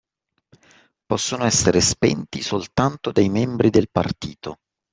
Possono essere spenti soltanto dai membri del Partito.